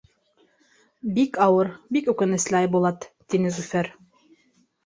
— Бик ауыр, бик үкенесле, Айбулат, — тине Зөфәр.